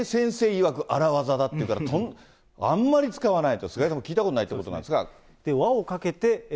いわく荒業だっていうから、あんまり使わないと、菅井さんも聞いたことがないということなんですが。